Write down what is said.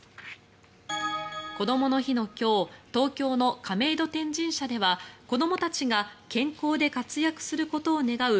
こどもの日の今日東京の亀戸天神社では子どもたちが健康で活躍することを願う